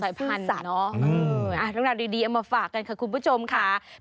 ทั้งนั้นดีเอามาฝากกันค่ะคุณผู้ชมค่ะ